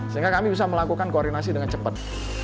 sehingga kami bisa melakukan koordinasi dengan cepat